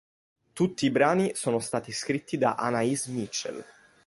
Tutti i brani sono stati scritti da Anaïs Mitchell